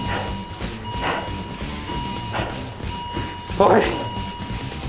おい！